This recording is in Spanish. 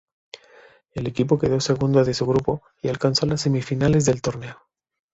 El equipo quedó segundo de su grupo y alcanzó las semifinales del torneo.